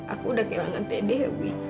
aku udah kehilangan tedih